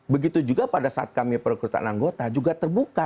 begitu juga pada saat kami perekrutan anggota juga terbuka